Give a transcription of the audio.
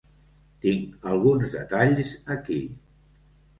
Tinc alguns detalls aquí.